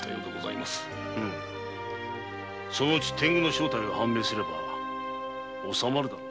そのうち天狗の正体が判明すれば納まるだろう。